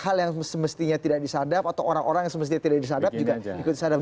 hal yang semestinya tidak disadap atau orang orang yang semestinya tidak disadap juga ikut disadap